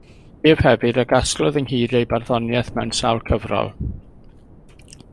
Ef hefyd a gasglodd ynghyd ei barddoniaeth, mewn sawl cyfrol.